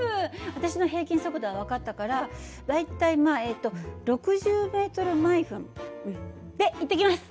私の平均速度は分かったから大体まあえっと６０ｍ／ｍで行ってきます。